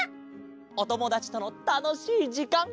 おともだちとのたのしいじかん。